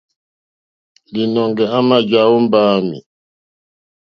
Līnɔ̄ŋgɛ̄ à mà jàá ó mbáāmì.